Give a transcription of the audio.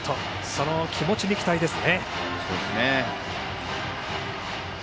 その気持ちに期待です。